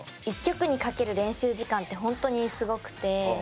一曲にかける練習時間ってほんとにすごくて。